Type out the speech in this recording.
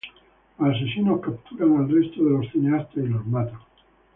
Los asesinos capturan al resto de los cineastas y los matan.